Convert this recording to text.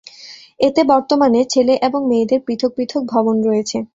এতে বর্তমানে ছেলে এবং মেয়েদের পৃথক পৃথক ভবন রয়েছে।